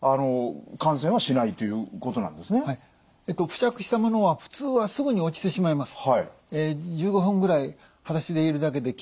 付着したものは普通はすぐに落ちてしまいます。